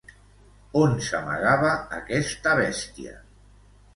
On s'amagava aquesta bèstia?